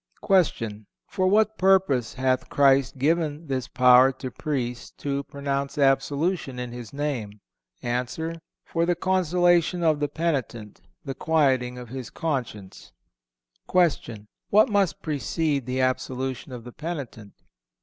Q. For what purpose hath Christ given this power to Priests to pronounce absolution in His name? A. For the consolation of the penitent; the quieting of his conscience. Q. What must precede the absolution of the penitent?